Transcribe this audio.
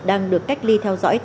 đang được cách ly theo dõi